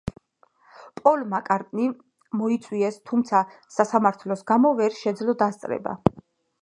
პოლ მაკ-კარტნი მოიწვიეს, თუმცა სასამართლოს გამო ვერ შეძლო დასწრება.